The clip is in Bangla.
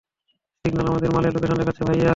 সিগন্যাল আমাদের মালের লোকেশন দেখাচ্ছে, ভায়া।